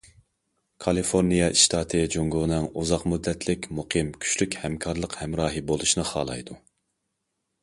كالىفورنىيە ئىشتاتى جۇڭگونىڭ ئۇزاق مۇددەتلىك، مۇقىم، كۈچلۈك ھەمكارلىق ھەمراھى بولۇشنى خالايدۇ.